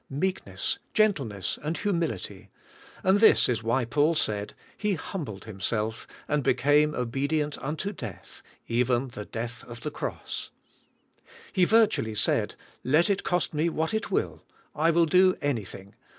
meek ness, gentleness and humility, and this is why Paul said, ''He humbled Himself, and became obedient unto death, even the death of the cross." He vir tually said, ' 'Let it cost me what it will, I will do any thing.